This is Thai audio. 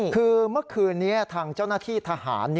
คือเมื่อคืนนี้ทางเจ้าหน้าที่ทหาร